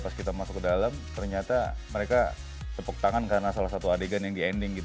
pas kita masuk ke dalam ternyata mereka tepuk tangan karena salah satu adegan yang di ending